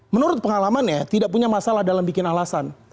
menurut pengalamannya tidak punya masalah dalam bikin alasan